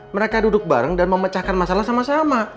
mereka duduk bareng dan memecahkan masalah sama sama